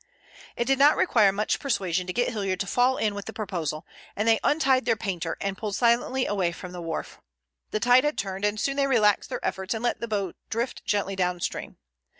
It did not require much persuasion to get Hilliard to fall in with the proposal, and they untied their painter and pulled silently away from the wharf. The tide had turned, and soon they relaxed their efforts and let the boat drift gently downstream.